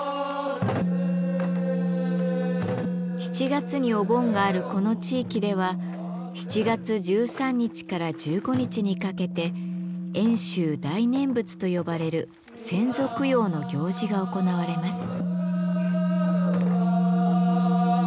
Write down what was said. ７月にお盆があるこの地域では７月１３日から１５日にかけて遠州大念仏と呼ばれる先祖供養の行事が行われます。